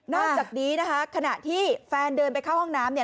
จากนี้นะคะขณะที่แฟนเดินไปเข้าห้องน้ำเนี่ย